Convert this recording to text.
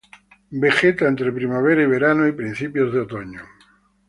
Vegeta entre primavera, verano y principios de otoño.